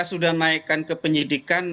sudah naikkan ke penyidikan